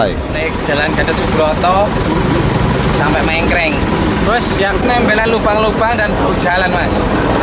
naik jalan gatot subroto sampai mengengkring terus ya nempelnya lubang lubang dan berjalan mas